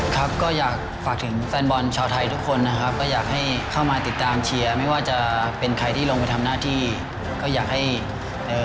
ครับก็อยากฝากถึงแฟนบอลชาวไทยทุกคนนะครับก็อยากให้เข้ามาติดตามเชียร์ไม่ว่าจะเป็นใครที่ลงไปทำหน้าที่ก็อยากให้เอ่อ